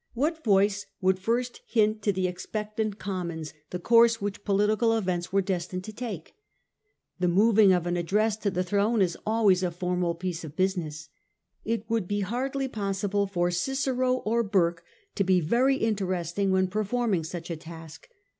What voice would first hint to the expectant Commons the course which political events were destined to take ? The moving of an address to the throne is always a formal piece of business. It would be hardly possible for Cicero or Burke to be very interesting when per forming such a task.